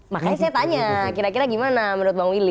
makanya saya tanya kira kira gimana menurut bang will